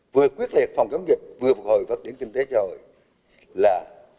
vừa quyết liệt phòng chống dịch vừa vượt hồi phát triển kinh tế rồi là